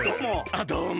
あどうも。